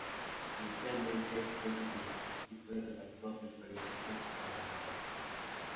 Inicialmente fue socialista y fue redactor del periódico "La Vanguardia".